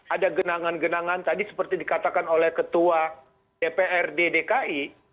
ada genangan genangan tadi seperti dikatakan oleh ketua dprd dki